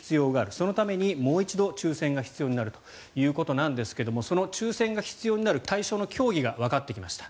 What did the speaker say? そのためにもう一度抽選が必要になるということですがその抽選が必要になる対象の競技がわかってきました。